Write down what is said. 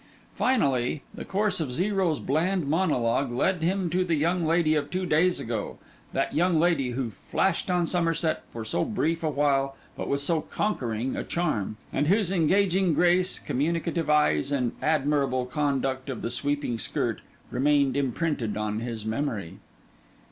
Finally, the course of Zero's bland monologue led him to the young lady of two days ago: that young lady, who had flashed on Somerset for so brief a while but with so conquering a charm; and whose engaging grace, communicative eyes, and admirable conduct of the sweeping skirt, remained imprinted on his memory.